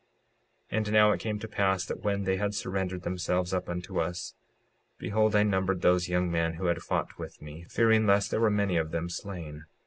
56:55 And now it came to pass that when they had surrendered themselves up unto us, behold, I numbered those young men who had fought with me, fearing lest there were many of them slain.